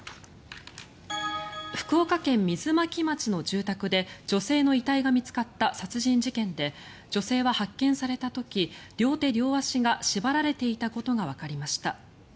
福岡県水巻町の住宅で女性の遺体が見つかった殺人事件で女性は発見された時両手両足が縛られていたことがわかりました。